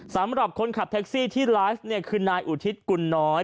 สำหรับคนขับแท็กซี่ที่ไลฟ์เนี่ยคือนายอุทิศกุลน้อย